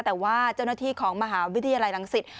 แต่ว่าเจ้าหน้าที่ของมหาวิทยาลัยรังสิต